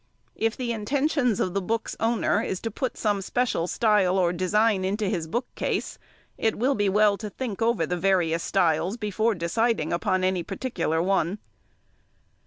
If the intentions of the books' owner is to put some special style or design into his bookcase, it will be well to think over the various styles before deciding upon any particular one.